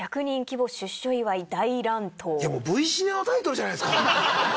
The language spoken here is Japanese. Ｖシネのタイトルじゃないですか。